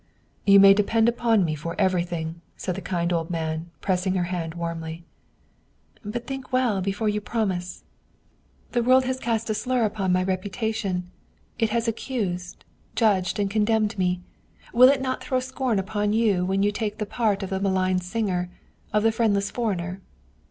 " You may depend upon me for everything," said the kind old man, pressing her hand warmly. " But think well before you promise ! The world has 101 German Mystery Stories cast a slur upon my reputation; it has accused, judged, and condemned me. Will it not throw scorn upon you when you take the part of the maligned singer, of the friendless foreigner